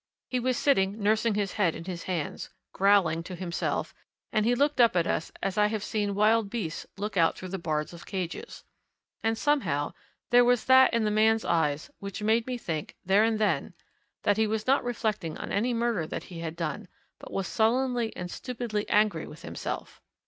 He was sitting nursing his head in his hands, growling to himself, and he looked up at us as I have seen wild beasts look out through the bars of cages. And somehow, there was that in the man's eyes which made me think, there and then, that he was not reflecting on any murder that he had done, but was sullenly and stupidly angry with himself.